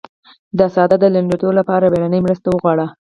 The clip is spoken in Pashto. د ساه د لنډیدو لپاره بیړنۍ مرسته وغواړئ